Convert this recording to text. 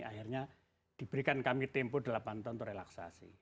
akhirnya diberikan kami tempo delapan ton untuk relaksasi